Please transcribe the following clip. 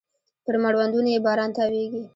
پر مړوندونو يې باران تاویږې